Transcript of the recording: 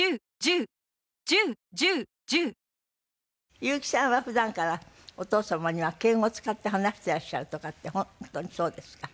裕基さんは普段からお父様には敬語を使って話していらっしゃるとかって本当にそうですか？